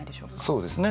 そうですね。